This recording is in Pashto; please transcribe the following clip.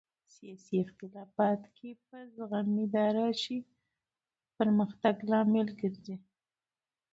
سیاسي اختلاف که په زغم اداره شي د پرمختګ لامل ګرځي